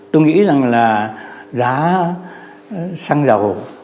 tôi nghĩ rằng là giá xăng dầu